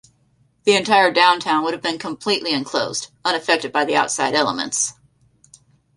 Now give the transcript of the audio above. The entire downtown would have been completely enclosed, unaffected by the outside elements.